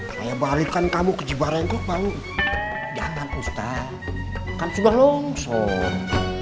saya balikan kamu ke jibarang kok baru jangan ustadz kan sudah longsor